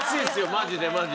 マジでマジで。